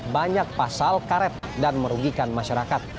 banyak pasal karet dan berat